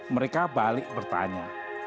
mereka balik bertanya